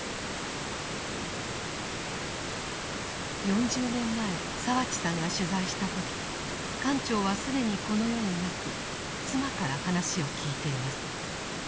４０年前澤地さんが取材した時艦長は既にこの世になく妻から話を聞いています。